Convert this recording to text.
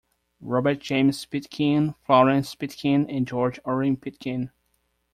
Robert James Pitkin, Florence Pitkin, and George Orrin Pitkin.